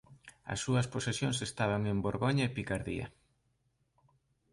As súas posesións estaban en Borgoña e Picardía.